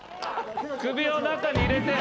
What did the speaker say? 首を中に入れて。